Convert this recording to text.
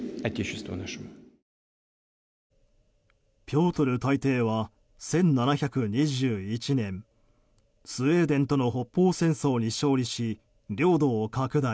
ピョートル大帝は１７２１年スウェーデンとの北方戦争に勝利し、領土を拡大。